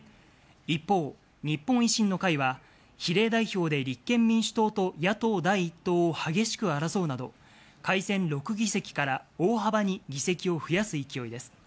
一方、日本維新の会は比例代表で立憲民主党と野党第１党を激しく争うなど、改選６議席から大幅に議席を増やす勢いです。